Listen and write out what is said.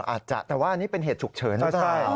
อาจจะแต่ว่าอันนี้เป็นเหตุฉุกเฉิน